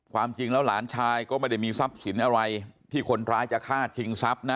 ความจริงแล้วหลานชายก็ไม่ได้มีทรัพย์สินอะไรที่คนร้ายจะฆ่าชิงทรัพย์นะ